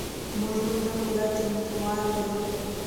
موږ ورته پوره چمتو والی لرو.